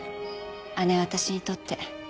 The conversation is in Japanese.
姉は私にとって。